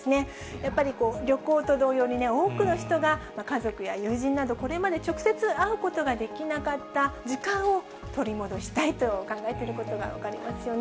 やっぱり旅行と同様に、多くの人が家族や友人など、これまで直接会うことができなかった時間を取り戻したいと考えていることが分かりますよね。